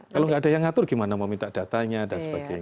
kalau nggak ada yang ngatur gimana mau minta datanya dan sebagainya